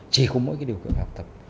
chỉ có mỗi cái điều kiện học tập